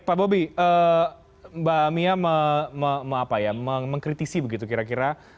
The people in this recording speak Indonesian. pak bobi mbak mia mengkritisi begitu kira kira